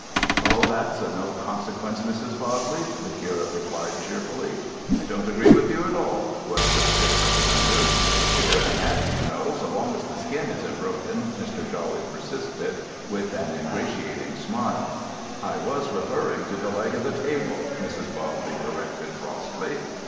"Oh, that's of no consequence, Mrs. Bodley," the curate replied cheerfully. "I don't agree with you at all," was the stiff rejoinder. "It doesn't matter, you know, so long as the skin isn't broken," Mr. Jawley persisted with an ingratiating smile. "I was referring to the leg of the table," Mrs. Bodley corrected frostily.